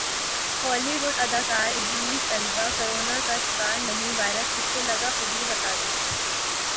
ہالی ووڈ اداکارادریس Elba corona کا شکارانہیں وائرس کس سے لگاخودہی بتادیا